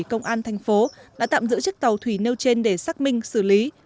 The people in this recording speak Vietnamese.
công an thành phố đã tạm giữ chiếc tàu thủy nêu trên để xác minh xử lý